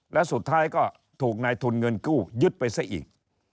และสุดท้ายก็ถูกนายทุนเงินกู้ยึดไปซะอีก